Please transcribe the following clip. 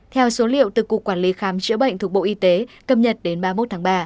theo số liệu từ cục quản lý khám chữa bệnh thuộc bộ y tế cập nhật đến ba mươi một tháng ba